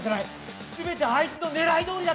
全てあいつの狙いどおりだったんだよ。